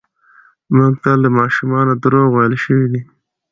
موږ ته له ماشومتوبه دروغ ويل شوي دي.